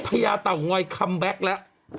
พระยาเต๋อง้อยคัมแบคละ